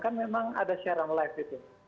kan memang ada seorang live itu